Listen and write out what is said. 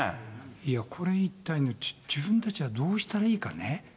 これ一体、自分たちはどうしたらいいかね。